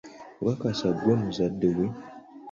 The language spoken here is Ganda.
Okakasa ggwe muzadde we?